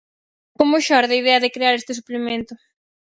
Como xorde a idea de crear este suplemento?